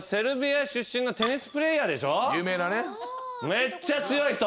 めっちゃ強い人。